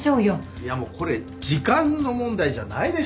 いやもうこれ時間の問題じゃないでしょう。